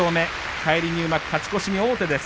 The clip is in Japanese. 返り入幕、勝ち越しに王手です。